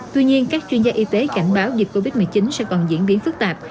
tuy nhiên các chuyên gia y tế cảnh báo dịch covid một mươi chín sẽ còn diễn biến phức tạp